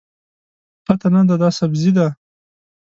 پته نه ده، دا سبزي ده.